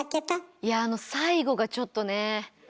いやあの最後がちょっとねえ。